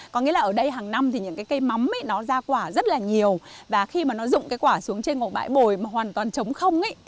có nghĩa là ở đây hàng năm thì những cây mắm nó ra quả rất là nhiều và khi mà nó rụng cái quả xuống trên một bãi bồi mà hoàn toàn trống không